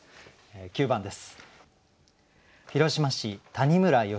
９番です。